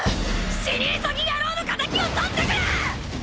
死に急ぎ野郎の仇をとってくれ！！